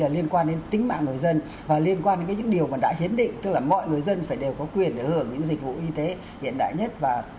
liên quan đến tính mạng người dân và liên quan đến những điều mà đã hiến định tức là mọi người dân phải đều có quyền để hưởng những dịch vụ y tế hiện đại nhất